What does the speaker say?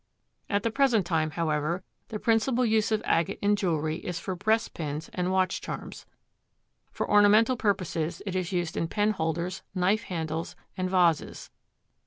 At the present time, however, the principal use of agate in jewelry is for breastpins and watch charms. For ornamental purposes it is used in pen holders, knife handles, and vases.